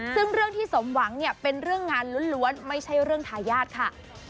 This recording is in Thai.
ซึ่งเรื่องที่สมหวังเนี่ยเป็นเรื่องงานล้วนไม่ใช่เรื่องทายาทค่ะ